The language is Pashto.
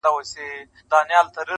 په عاشقي کي بې صبرې مزه کوینه.!